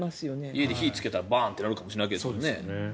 家で火をつけたらバーンとなるかもしれないわけですよね。